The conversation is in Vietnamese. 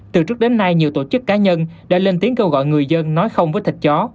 từ trước đến nay nhiều tổ chức cá nhân đã lên tiếng kêu gọi người dân nói không với thịt chó